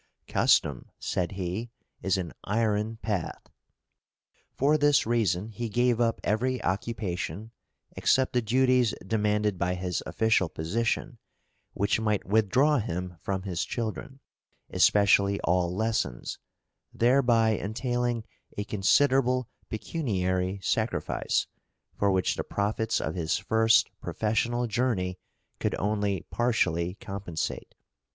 "Custom." said he, "is an iron path." For this reason he gave up every occupation (except the duties demanded by his official position) which might withdraw him from his children, especially all lessons, thereby entailing a considerable pecuniary sacrifice, for which the profits of his first professional journey could only partially compensate.